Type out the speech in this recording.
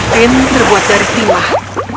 tim terbuat dari timah